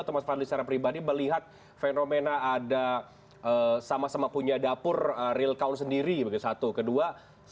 mas fadli secara pribadi melihat fenomena ada sama sama punya dapur real count sendiri begitu satu kedua